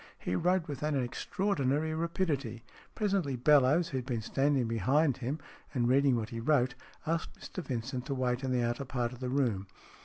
He wrote with an extra ordinary rapidity. Presently Bellowes, who had been standing behind him, and reading what he wrote, asked Mr Vincent to wait in the outer part of the room.